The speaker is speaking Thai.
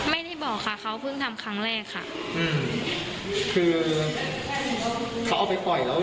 ไม่ได้บอกค่ะเขาเพิ่งทำครั้งแรกค่ะอืมคือเขาเอาไปปล่อยแล้ว